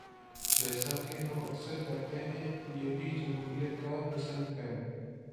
جیسا کہ ہم اکثر کہتے ہیں، یہ بھی جمہوریت کا حسن ہے۔